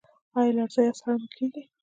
ایا لرزه یا ساړه مو کیږي؟